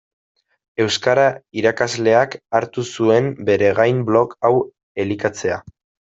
Euskara irakasleak hartu zuen bere gain blog hau elikatzea.